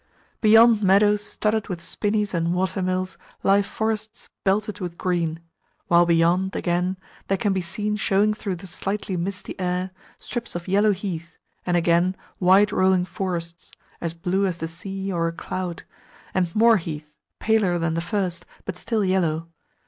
Beyond meadows studded with spinneys and water mills lie forests belted with green; while beyond, again, there can be seen showing through the slightly misty air strips of yellow heath, and, again, wide rolling forests (as blue as the sea or a cloud), and more heath, paler than the first, but still yellow.